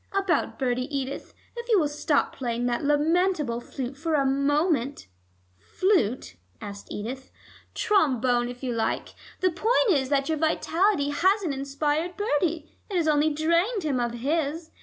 About Bertie, Edith, if you will stop playing that lamentable flute for a moment " "Flute?" asked Edith. "Trombone, if you like. The point is that your vitality hasn't inspired Bertie; it has only drained him of his.